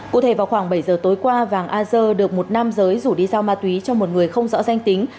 cụ thể vào khoảng bảy giờ tối qua vàng a dơ được một nam giới rủ đi giao ma túy cho một người không rõ danh tính